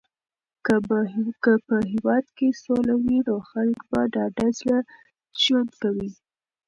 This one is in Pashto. که په هېواد کې سوله وي نو خلک په ډاډه زړه ژوند کوي.